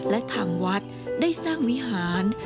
และทางวัดได้สร้างวิหาร